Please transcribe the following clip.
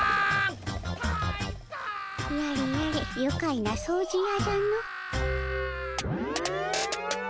やれやれゆかいな掃除やじゃの。